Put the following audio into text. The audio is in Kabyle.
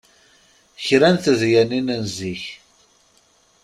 Kra n tedyanin n zik.